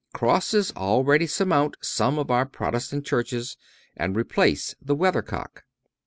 Crosses already surmount some of our Protestant churches and replace the weather cock.